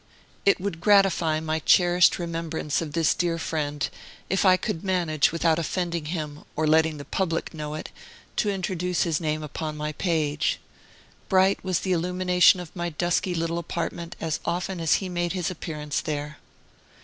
It would gratify my cherished remembrance of this dear friend, if I could manage, without offending him, or letting the public know it, to introduce his name upon my page. Bright was the illumination of my dusky little apartment, as often as he made his appearance there!